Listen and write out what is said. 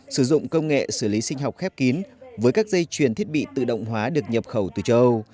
sử dụng công nghệ xử lý sinh học khép kín với các dây chuyền thiết bị tự động hóa được nhập khẩu từ châu âu